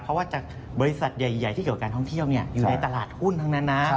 เพราะว่าจากบริษัทใหญ่ที่เกี่ยวกับการท่องเที่ยวอยู่ในตลาดหุ้นทั้งนั้นนะ